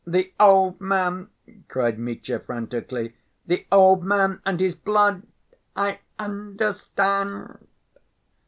"The old man!" cried Mitya frantically. "The old man and his blood!... I understand."